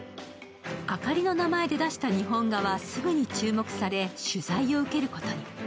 あかりの名前で出した日本画はすぐに注目され取材を受けることに。